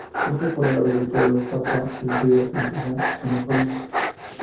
Justo por debajo del pueblo pasa el río que empieza en los Olmos.